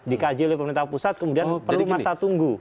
dikaji oleh pemerintah pusat kemudian perlu masa tunggu